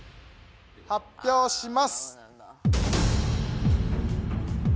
発表します。